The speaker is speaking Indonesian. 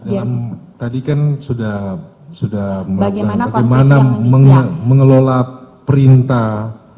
ya tadi kan sudah bagaimana mengelola perintah